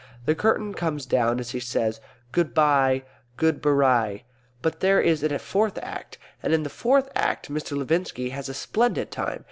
The curtain comes down as he says, "Good bye.... Good ber eye." But there is a Fourth Act, and in the Fourth Act Mr. Levinski has a splendid time.